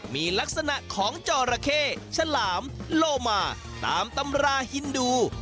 มีลักษณะของจอราเข้ฉลามโลมาตามตำราฮินดู